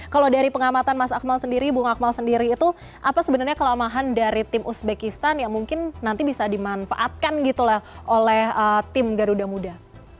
kalau dari pengamatan mas akmal sendiri bung akmal sendiri itu apa sebenarnya kelemahan dari tim uzbekistan yang mungkin nanti bisa dimanfaatkan gitu lah oleh tim garuda muda